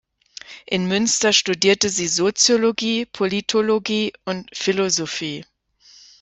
In Münster studierte sie Soziologie, Politologie und Philosophie.